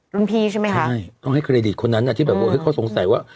รุ่นพี่ใช่ไหมคะใช่ต้องให้เครดิตคนนั้นที่เขาสงสัยว่า